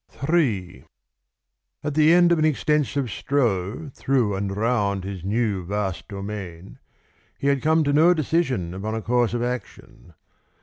III. At the end of an extensive stroll through and round his new vast domain, he had come to no decision upon a course of action.